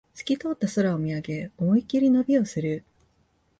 すき通った空を見上げ、思いっきり伸びをする